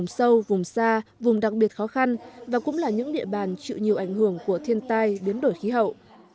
sâu vùng xa vùng đặc biệt khó khăn và cũng là những địa bàn chịu nhiều ảnh hưởng của thiên tai biến đổi khí hậu